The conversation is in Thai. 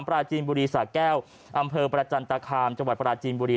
ปราจีนบุรีสะแก้วอำเภอประจันตคามจังหวัดปราจีนบุรี